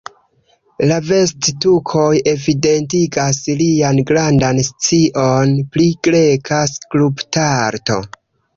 La vest-tukoj evidentigas lian grandan scion pri greka skulptarto.